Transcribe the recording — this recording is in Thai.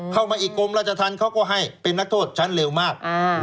เข้ามาอีกกรมราชธรรมเขาก็ให้เป็นนักโทษชั้นเร็วมาก